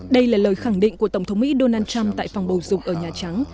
đây là lời khẳng định của tổng thống mỹ donald trump tại phòng bầu dục ở nhà trắng